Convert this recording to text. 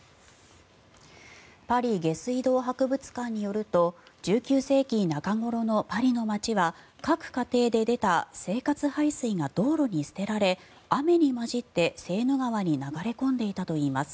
パリ下水博物館によると１９世紀中頃のパリの街は各家庭で出た生活排水が道路に捨てられ雨に混じってセーヌ川に流れ込んでいたといいます。